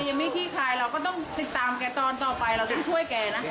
เราก็ต้องติดตามแกตอนต่อไปเราก็ต้องช่วยแกนะ